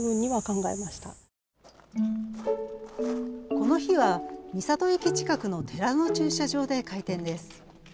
この日は三郷駅近くの寺の駐車場で開店です。